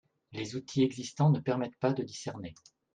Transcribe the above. Les outils existants ne permettent pas de discerner.